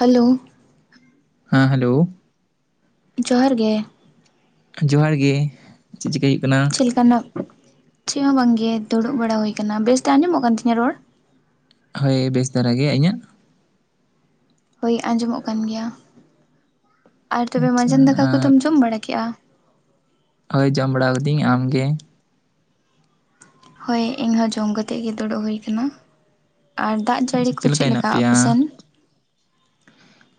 Hello ᱦᱮᱸ hello ᱡᱚᱦᱟᱨ ᱜᱮ ᱡᱚᱦᱟᱨ ᱜᱮ ᱪᱮᱫ ᱪᱤᱠᱟᱹᱭ ᱦᱩᱭᱩᱜ ᱠᱟᱱᱟ? ᱪᱮᱫ ᱞᱮᱠᱟᱱᱟᱜ ᱪᱮᱫ ᱦᱚᱸ ᱵᱟᱝ ᱜᱮ ᱫᱩᱲᱩᱵ ᱵᱟᱲᱟ ᱦᱩᱭ ᱟᱠᱟᱱᱟ ᱵᱮᱥᱛᱮ ᱟᱸᱡᱚᱢᱚᱜ ᱠᱟᱱ ᱛᱤᱧᱟᱹ ᱨᱚᱲ? ᱦᱳᱭ ᱵᱮᱥ ᱫᱷᱟᱨᱟ ᱜᱮ ᱤᱧᱟᱹᱜ? ᱦᱳᱭ ᱟᱸᱡᱚᱢᱚᱜ ᱠᱟᱱ ᱜᱮᱭᱟ ᱟᱨ ᱛᱚᱵᱮ ᱟᱪᱪᱷᱟ ᱢᱟᱡᱟᱱ ᱫᱟᱠᱟ ᱟᱨ ᱠᱚᱫᱚᱢ ᱡᱚᱢ ᱵᱟᱲᱟ ᱠᱮᱫᱮᱜᱼᱟ? ᱦᱳᱭ ᱡᱚᱢ ᱵᱟᱲᱟᱣᱫᱟᱹᱧ ᱟᱢᱜᱮ? ᱦᱳᱭ ᱤᱧ ᱦᱚᱸᱡᱚᱢ ᱠᱟᱛᱮ ᱜᱮ ᱫᱩᱲᱩᱵ ᱦᱩᱭ ᱟᱠᱟᱱᱟ ᱟᱨ᱾ ᱫᱟᱜ ᱟᱪᱪᱷᱟ ᱡᱟᱹᱲᱤ ᱠᱚ ᱪᱮᱫ ᱦᱮᱱᱟᱜ ᱞᱮᱠᱟ ᱯᱮᱭᱟ? ᱚᱯᱮᱥᱮᱱ?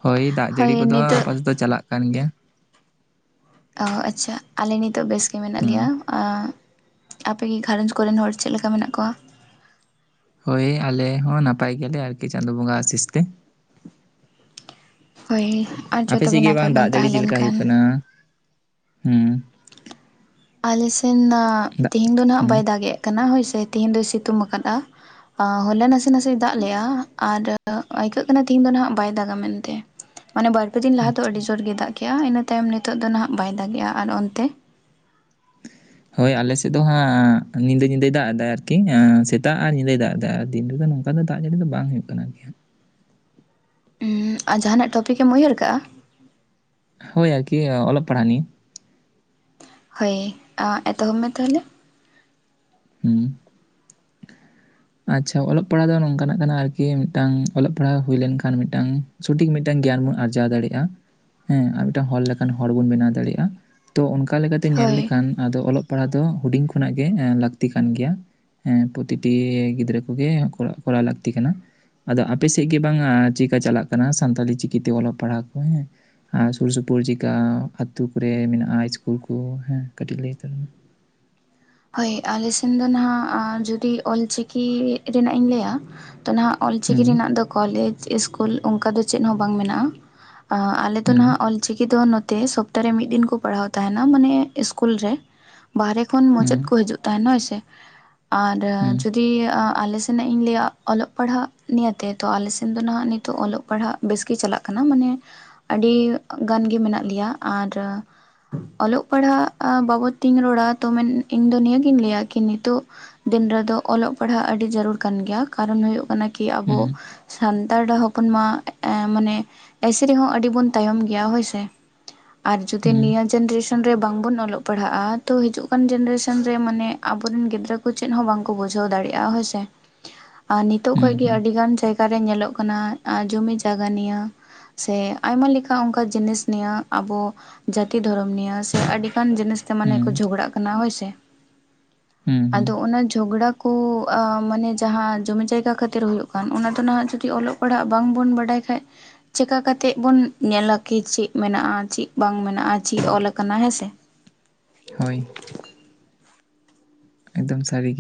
ᱦᱳᱭ ᱫᱟᱜ ᱡᱟᱹᱲᱤ ᱠᱚᱫᱚ ᱱᱤᱛᱚᱜ ᱟᱯᱟᱛᱚᱛᱚ ᱪᱟᱞᱟᱜ ᱠᱟᱱ ᱜᱮᱭᱟ᱾ ᱚ ᱟᱪᱪᱷᱟ ᱟᱞᱮ ᱱᱤᱛᱚᱜ ᱵᱮᱥᱜᱮ ᱢᱮᱱᱟᱜ ᱞᱮᱭᱟ᱾ ᱦᱩᱸ ᱟᱯᱮᱜᱮ ᱜᱷᱟᱨᱚᱸᱡᱽ ᱠᱚᱨᱮᱱ ᱦᱚᱲ ᱪᱮᱫ ᱞᱮᱠᱟ ᱢᱮᱱᱟᱜ ᱠᱚᱣᱟ? ᱦᱳᱭ ᱟᱞᱮ ᱦᱚᱸ ᱱᱟᱯᱟᱭ ᱜᱮᱭᱟᱞᱮ ᱟᱨᱠᱤ ᱪᱟᱸᱫᱳ ᱵᱚᱸᱜᱟ ᱟᱥᱤᱥ ᱛᱮ᱾ ᱦᱳᱭ ᱟᱨ ᱟᱯᱮ ᱡᱚᱛᱚ ᱥᱮᱫ ᱜᱮ ᱵᱟᱝ ᱱᱟᱯᱟᱭ ᱵᱚᱱ ᱫᱟᱜ ᱡᱟᱹᱲᱤ ᱛᱟᱦᱮᱸ ᱪᱮᱫ ᱞᱮᱱ ᱞᱮᱠᱟ ᱦᱩᱭᱩᱜ ᱠᱷᱟᱱ ᱠᱟᱱᱟ? ᱦᱩᱸ ᱟᱞᱮ ᱥᱮᱱ ᱫᱟᱜ ᱛᱮᱦᱤᱧ ᱫᱚ ᱱᱟᱜ ᱦᱩᱸ ᱵᱟᱭ ᱫᱟᱜ ᱮ ᱠᱟᱱᱟ ᱦᱳᱭᱥᱮ ᱛᱮᱦᱤᱧ ᱫᱚᱭ ᱥᱤᱛᱩᱝ ᱟᱠᱟᱫᱟ᱾ ᱦᱚᱞᱟ ᱱᱟᱥᱮ ᱱᱟᱥᱮ ᱫᱟᱜ ᱞᱮᱜᱼᱟ ᱟᱨ ᱟᱹᱭᱠᱟᱹᱜ ᱠᱟᱱᱟ ᱛᱮᱦᱤᱧ ᱫᱚ ᱱᱟᱦᱟᱜ ᱵᱟᱭ ᱫᱟᱜᱟ ᱢᱮᱱᱛᱮ᱾ ᱢᱟᱱᱮ ᱵᱟᱨᱯᱮ ᱫᱤᱱ ᱞᱟᱦᱟ ᱫᱚ ᱟᱪᱪᱷᱟ ᱟᱹᱰᱤ ᱡᱳᱨ ᱜᱮᱭ ᱫᱟᱜ ᱠᱮᱜᱼᱟ ᱤᱱᱟᱹ ᱛᱟᱭᱚᱢ ᱱᱤᱛᱳᱜ ᱫᱚ ᱦᱟᱜ ᱵᱟᱭ ᱫᱟᱜ ᱮᱜᱼᱟ ᱟᱨ ᱚᱱᱛᱮ? ᱦᱳᱭ ᱟᱞᱮ ᱥᱮᱫ ᱫᱚ ᱦᱟᱸᱜ ᱧᱤᱫᱟᱹ ᱧᱤᱫᱟᱹᱭ ᱫᱟᱜ ᱮᱫᱟ ᱟᱨᱠᱤ ᱥᱮᱛᱟᱜ ᱟᱨ ᱧᱤᱫᱟᱹᱭ ᱫᱟᱜ ᱮᱫᱟ ᱟᱨ ᱫᱤᱱ ᱨᱮᱫᱚ ᱱᱚᱝ᱾ ᱚᱠᱟ ᱫᱚ ᱫᱟᱜ ᱡᱟᱹᱲᱤ ᱫᱚ ᱵᱟᱝ ᱦᱩᱭᱩᱜ ᱠᱟᱱᱟ᱾ ᱟᱨ ᱡᱟᱦᱟᱸᱟᱱᱟᱜ ᱴᱚᱯᱤᱠᱮᱢ ᱩᱭᱦᱟᱹᱨ ᱠᱟᱜᱼᱟ? ᱦᱳᱭ ᱟᱨᱠᱤ ᱚᱞᱚᱜ ᱯᱟᱲᱦᱟᱜ ᱱᱤᱭᱟᱹ ᱦᱳᱭ ᱮᱛᱚᱦᱚᱵ ᱢᱮ ᱛᱟᱦᱚᱞᱮ? ᱦᱩᱸ ᱟᱪᱪᱷᱟ ᱚᱞᱚᱜ ᱯᱟᱲᱦᱟᱜ ᱫᱚ ᱱᱚᱝᱠᱟᱱᱟᱜ ᱠᱟᱱᱟ ᱟᱨᱠᱤ ᱢᱤᱫᱴᱟᱝ ᱚᱞᱚᱜ ᱯᱟᱲᱦᱟᱜ ᱦᱩᱭ ᱞᱮᱱᱠᱷᱟᱱ ᱢᱤᱫᱴᱟᱝ ᱥᱚᱴᱷᱤᱠ ᱢᱤᱫᱴᱟᱱ ᱜᱮᱭᱟᱱ ᱵᱚᱱ ᱟᱨᱡᱟᱣ ᱫᱟᱲᱮᱭᱟᱜᱼᱟ ᱦᱮᱸ ᱟᱨ ᱢᱤᱫᱴᱟᱱ ᱦᱚᱲ ᱞᱮᱠᱟᱱ ᱦᱚᱲ ᱵᱚᱱ ᱵᱮᱱᱟᱣ ᱫᱟᱲᱮᱭᱟᱜᱼᱟ ᱛᱚ ᱚᱱᱠᱟ ᱞᱮᱠᱟᱛᱮ ᱧᱮᱞ ᱦᱳᱭ ᱞᱮᱠᱷᱟᱱ ᱟᱫᱚ ᱚᱞᱚᱜ ᱯᱟᱲᱦᱟᱜ ᱫᱚ ᱦᱩᱰᱤᱧ ᱠᱷᱚᱱᱟᱜ ᱜᱮ ᱞᱟᱹᱠᱛᱤ ᱠᱟᱱ ᱜᱮᱭᱟ ᱯᱨᱚᱛᱤᱴᱤ ᱜᱤᱫᱽᱨᱟᱹ ᱠᱚᱜᱮ [unintelligible] ᱠᱚᱨᱟᱣ ᱞᱟᱹᱠᱛᱤ ᱠᱟᱱᱟ ᱟᱫᱚ ᱟᱯᱮ ᱥᱮᱫ ᱜᱮ ᱵᱟᱝᱟ ᱪᱠᱟ ᱪᱟᱞᱟᱜ ᱠᱟᱱᱟ ᱥᱟᱱᱛᱟᱞᱤ ᱪᱤᱠᱤᱛᱮ ᱚᱞᱚᱜ ᱯᱟᱲᱦᱟᱜ ᱠᱚ ᱦᱮᱸ ᱟᱨ ᱥᱩᱨ ᱥᱩᱯᱩᱨ ᱪᱮᱠᱟ ᱟ ᱟᱹᱛᱩᱳ ᱠᱚᱨᱮ ᱢᱮᱱᱟᱜᱼᱟ ᱤᱥᱠᱩᱞ ᱠᱚ ᱦᱮᱸ ᱠᱟᱹᱴᱤᱡ ᱞᱟᱹᱭ ᱩᱛᱟᱹᱨ ᱢᱮ ᱦᱳᱭ ᱟᱞᱮ ᱥᱮᱱ ᱫᱚ ᱱᱟᱦᱟᱜ ᱡᱩᱚᱫᱤ ᱚᱞᱪᱤᱠᱤ ᱨᱮᱱᱟᱜ ᱤᱧ ᱞᱟᱹᱭᱟ ᱛᱚ ᱱᱟᱦᱟᱜ ᱚᱞᱪᱤᱠᱤ ᱦᱩᱸ ᱨᱮᱱᱟᱜ ᱫᱚ ᱠᱚᱞᱮᱡᱽ ᱤᱥᱠᱩᱞ ᱚᱱᱠᱟ ᱫᱚ ᱪᱮᱫ ᱦᱚᱸ ᱵᱟᱝ ᱢᱮᱱᱟᱜᱼᱟ ᱟᱞᱮ ᱫᱚ ᱦᱩᱸ ᱱᱟᱦᱟᱜ ᱚᱞ ᱪᱤᱠᱤ ᱫᱚ ᱱᱚᱛᱮ ᱥ ᱛᱟ ᱨᱮ ᱢᱤᱫ ᱫᱤᱱ ᱠᱚ ᱯᱟᱲᱦᱟᱣ ᱛᱟᱦᱮᱱᱟ ᱢᱟᱱᱮ ᱤᱥᱠᱩᱞ ᱨᱮ ᱵᱟᱦᱦᱨᱮ ᱠᱷᱚᱱ ᱢᱩᱪᱟᱹᱫ ᱦᱩᱸ ᱦᱟᱡᱩᱜ ᱛᱟᱦᱮᱱᱟ ᱦᱚᱭ ᱥᱮ ᱟᱨ ᱦᱩᱸ ᱡᱩᱫᱤ ᱟᱞ ᱥᱮᱱᱟᱜ ᱤᱧ ᱞᱟᱹᱭᱟ ᱚᱞᱚᱜ ᱯᱟᱲᱦᱟᱜ ᱱᱤᱭᱟᱹᱛᱮ ᱛᱚ ᱟᱞᱮ ᱥᱮᱱ ᱫᱚ ᱦᱟᱜ ᱱᱤᱛᱚᱜ ᱚᱞᱚᱜ ᱯᱟᱲᱦᱟᱜ ᱵᱮᱥ ᱜᱮ ᱪᱟᱞᱟᱜ ᱠᱟᱱᱟ ᱢᱟᱱᱮ ᱟᱹᱰᱤ ᱜᱟᱱ ᱜᱮ ᱢᱮᱱᱟᱜ ᱞᱮᱭᱟ ᱟᱨ ᱚᱞᱚᱜ ᱯᱟᱲᱦᱟᱜ ᱵᱟᱵᱚᱫ ᱛᱤᱧ ᱨᱚᱲᱟ ᱛ ᱤᱧᱫᱚ ᱱᱤᱭᱟᱹᱜᱤᱧ ᱞᱟᱹᱭᱟ ᱠᱤ ᱱᱤᱛᱚᱜ ᱫᱤᱱ ᱨᱮᱫᱚ ᱚᱞᱚᱜ ᱯᱟᱲᱦᱟᱜ ᱟᱹᱰᱤ ᱡᱟᱹᱨᱩᱲ ᱠᱟᱱ ᱜᱮᱭᱟ ᱠᱟᱨᱚᱱ ᱦᱩᱭᱩᱜ ᱠᱟᱱᱟ ᱠᱤ ᱟᱵᱚ ᱦᱩᱸ ᱥᱟᱱᱛᱟᱲ ᱦᱚᱯᱚᱱ ᱢᱟ ᱮᱸ ᱢᱟᱱᱮ ᱮᱥᱮᱨᱮᱦᱚᱸ ᱟᱹᱰᱤ ᱵᱚᱱ ᱛᱟᱭᱚᱢ ᱜᱮᱭᱟ ᱦᱳᱭᱥᱮ ᱟᱨ ᱡᱩᱫᱤ ᱦᱩᱸ ᱱᱤᱭᱟᱹ ᱡᱮᱱᱨᱮᱥᱚᱱ ᱨᱮ ᱵᱟᱝᱵᱚᱱ ᱚᱞᱚᱜ ᱯᱟᱲᱦᱟᱜᱼᱟ ᱛᱚ ᱦᱤᱡᱩᱜ ᱠᱟᱱ ᱡᱮᱱᱨᱮᱥᱚᱱ [unintelligible] ᱨᱮ ᱢᱟᱱᱮ ᱟᱵᱚᱨᱮᱱ ᱜᱤᱫᱽᱨᱟᱹ ᱠᱚ ᱪᱮᱫ ᱦᱚᱸ ᱵᱟᱝᱠᱚ ᱵᱩᱡᱷᱟᱹᱣ ᱫᱟᱲᱮᱜᱼᱟ ᱦᱳᱭᱥᱮ ᱟᱨ ᱱᱤᱛᱚᱜ ᱦᱩᱸ ᱠᱷᱚᱡ ᱜᱮ ᱦᱩᱸ ᱟᱹᱰᱤ ᱜᱟᱱ ᱡᱟᱭᱜᱟ ᱨᱮ ᱧᱮᱞᱚᱜ ᱠᱟᱱᱟ ᱟᱸ ᱡᱚᱢᱤ ᱡᱟᱭᱜᱟ ᱱᱤᱭᱟᱹ ᱥᱮ ᱟᱭᱢᱟ ᱞᱮᱠᱟ ᱚᱱᱠᱟ ᱡᱤᱱᱤᱥ ᱱᱤᱭᱟᱹ ᱟᱵᱚ ᱡᱟᱹᱛᱤ ᱫᱷᱚᱨᱚᱢ ᱱᱤᱭᱟ ᱥᱮ ᱟᱹᱰᱤᱜᱟᱱ ᱡᱤᱱᱤᱥᱛᱮ ᱢᱟᱱᱮ ᱠᱚ ᱦᱩᱸ ᱡᱷᱚᱜᱽᱟᱜ ᱠᱟᱱᱟ ᱦᱳᱭᱥᱮ ᱦᱩᱸ ᱦᱩᱸ ᱟᱫᱚ ᱚᱱᱟ ᱡᱷᱚᱜᱽᱲᱟ ᱠᱚ ᱟ ᱢᱟᱱᱮ ᱡᱟᱦᱟᱸ ᱡᱚᱢᱤ ᱡᱟᱭᱜᱟ ᱠᱷᱟᱹᱛᱤᱨ ᱦᱩᱭᱩᱜ ᱠᱟᱱ ᱚᱱᱟ ᱫᱚ ᱱᱟᱦᱟᱜ ᱡᱩᱫᱤ ᱚᱞᱚᱜ ᱯᱟᱲᱦᱟᱜ ᱵᱟᱝ ᱵᱚᱱ ᱵᱟᱰᱟᱭ ᱠᱟᱷᱡ ᱪᱮᱠᱟ ᱠᱟᱛᱮᱫ ᱵᱩᱱ ᱧᱮᱞᱟ ᱠᱤ ᱪᱮᱫ ᱢᱮᱱᱟᱜᱼᱟ ᱪᱮᱫ ᱵᱟᱝ ᱢᱮᱱᱟᱜᱼᱟ ᱪᱮᱫ ᱚᱞ ᱠᱟᱱᱟ ᱦᱮᱸᱥᱮ ᱦᱳᱭ ᱮᱫᱚᱢ ᱥᱟᱨᱤ ᱜᱮ